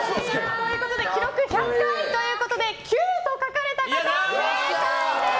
ということで記録１００回ということで９と書かれた方、正解です！